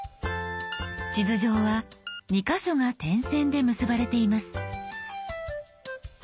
地図上は２か所が点線で結ばれています。